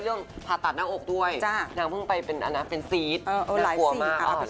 เรื่องผ่าตัดหน้าอกด้วยนางพึ่งไปเป็นอันนั้นนะเป็นซีสนักกลัวมากอ๋อหลายสิ่งเออหลายสิ่ง